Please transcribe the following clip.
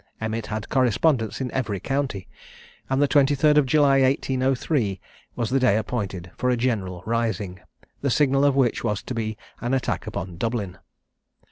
Emmet had correspondents in every county; and the 23rd of July 1803 was the day appointed for a general rising, the signal of which was to be an attack upon Dublin.